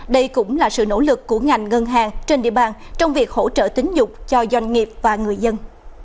đây cũng là sự nỗ lực của ngành ngân hàng trên địa bàn trong việc hỗ trợ tín dụng cho doanh nghiệp và người dân